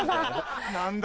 何だ？